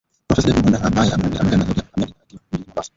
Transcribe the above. Profesa David Monda ambae ameongea na Sauti ya Amerika akiwa mjini Mombasa